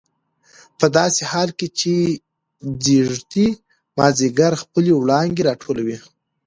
په داسې حال کې چې ځېږدي مازدیګر خپلې وړانګې راټولولې.